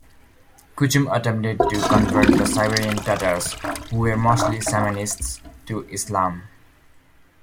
Kuchum attempted to convert the Siberian Tatars, who were mostly shamanists, to Islam.